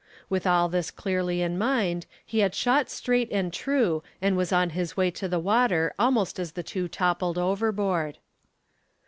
With all this clearly in mind he had shot straight and true and was on his way to the water almost as the two toppled overboard.